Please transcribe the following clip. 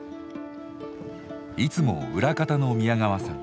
いつも裏方の宮川さん